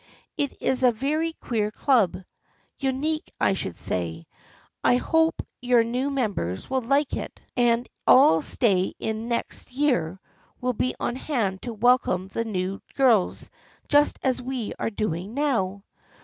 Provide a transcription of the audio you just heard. It is a very queer club, unique I should say. I hope you new members will like it and all stay in and next year will be on hand to welcome the new girls just as we are doing now.